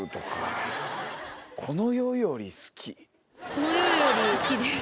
「この世より好き」。